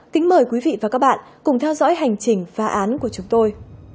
kính mời quý vị và các bạn cùng theo dõi hành trình phá án của chúng tôi